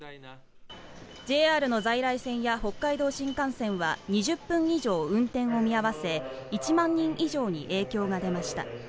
ＪＲの在来線や北海道新幹線は２０分以上運転を見合わせ１万人以上に影響が出ました。